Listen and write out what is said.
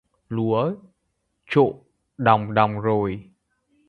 Lúa trộ đòng đòng rồi